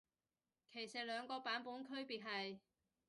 其實兩個版本區別係？